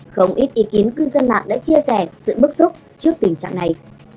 không ít ý kiến cư dân mạng đã chia sẻ sự bức xúc trước tình trạng này